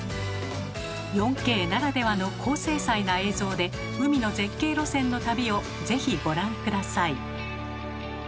４Ｋならではの高精細な映像で海の絶景路線の旅を是非ご覧下さい。